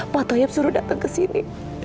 pak toyib suruh datang kesini